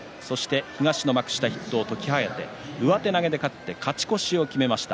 東の幕下筆頭の時疾風上手投げで勝って勝ち越しを決めました。